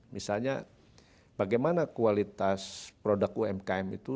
misalnya bagaimana kualitas produk umkm itu